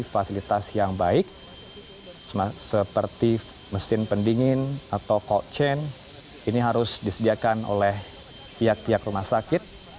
fasilitas yang baik seperti mesin pendingin atau cold chain ini harus disediakan oleh pihak pihak rumah sakit